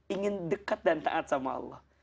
ingin dekat dan taat sama allah